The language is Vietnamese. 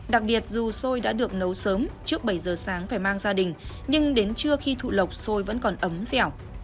đặc biệt dù xôi đã được nấu sớm trước bảy giờ sáng phải mang gia đình nhưng đến trưa khi thụ lộc xôi vẫn còn ấm dẻo